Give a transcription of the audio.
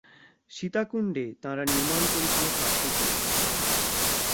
সীতাকুন্ডে তাঁরা নির্মাণ করেছিল কাঠের দুর্গ।